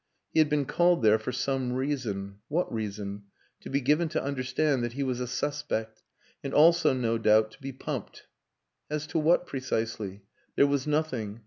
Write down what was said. He had been called there for some reason. What reason? To be given to understand that he was a suspect and also no doubt to be pumped. As to what precisely? There was nothing.